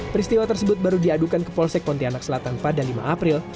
peristiwa tersebut baru diadukan ke polsek pontianak selatan pada lima april